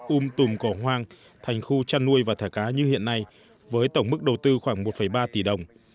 um tùm cỏ hoang thành khu chăn nuôi và thả cá như hiện nay với tổng mức đầu tư khoảng một ba tỷ đồng